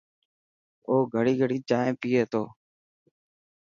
او گڙي گڙي چائين پئي تو.